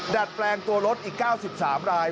ดัดแปลงตัวรถอีก๙๓ราย